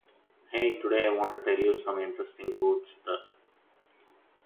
Hey today I want to tell you some interesting goods the.